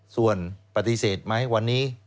ส่วนปฏิเสธไหมวันนี้